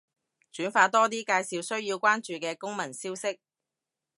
轉發多啲介紹需要關注嘅公民消息